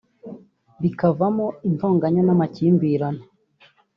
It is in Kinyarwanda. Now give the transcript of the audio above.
bikavamo intonganya n’amakimbirane